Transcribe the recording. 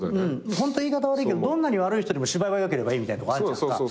ホント言い方悪いけどどんなに悪い人でも芝居が良ければいいみたいなとこあるじゃんか。